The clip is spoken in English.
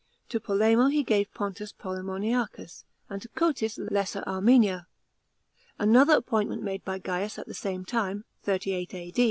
To Polemo he gave Pontus Polemoniacns, and to Cotys Lesser Armenia. Another, appoint ment made by Gaius at the same time (38 A.